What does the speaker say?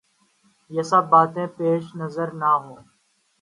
یہ سب باتیں پیش نظر نہ ہوں۔